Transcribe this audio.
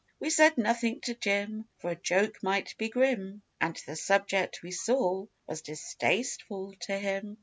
We said nothing to Jim, For a joke might be grim, And the subject, we saw, was distasteful to him.